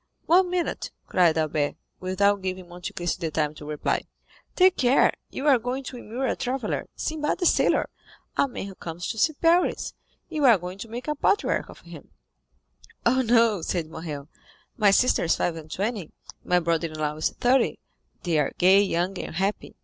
"One minute," cried Albert, without giving Monte Cristo the time to reply. "Take care, you are going to immure a traveller, Sinbad the Sailor, a man who comes to see Paris; you are going to make a patriarch of him." 20255m "Oh, no," said Morrel; "my sister is five and twenty, my brother in law is thirty, they are gay, young, and happy.